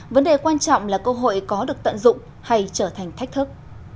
vấn đề quan trọng là cơ hội có được tận dụng hay trở thành thách thức